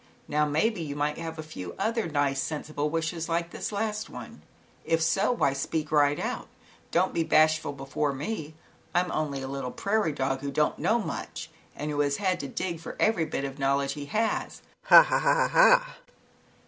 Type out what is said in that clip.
Now maybe you might have a few other nice, sensible wishes like this last one, if so, why speak right out. Don't be bashful before me, I'm only a little prairie dog, who don't know much and who has had to dig for every bit of knowledge he has. Ha ha ha ha ha